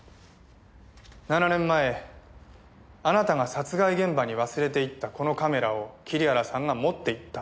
７年前あなたが殺害現場に忘れていったこのカメラを桐原さんが持っていった。